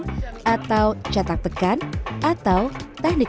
pembentukan dengan teknik catak tuang atau kering